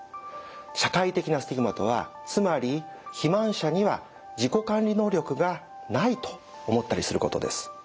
社会的なスティグマとはつまり肥満者には自己管理能力がないと思ったりすることです。